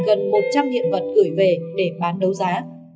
gần một trăm linh hiện vật gửi về để bán đấu giá